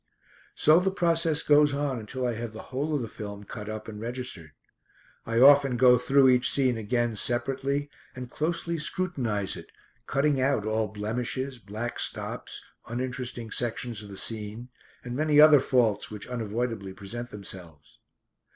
So the process goes on until I have the whole of the film cut up and registered. I often go through each scene again separately and closely scrutinise it, cutting out all blemishes, black stops, uninteresting sections of the scene, and many other faults which unavoidably present themselves.